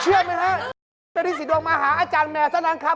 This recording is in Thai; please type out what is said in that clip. เชื่อไหมครับเจ๊เป็นฤทธิ์สีดวงมาหาอาจารย์แมวเท่านั้นครับ